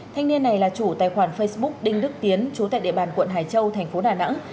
thanh niên này là chủ tài khoản facebook đinh đức tiến chú tại địa bàn quận hải châu thành phố đà nẵng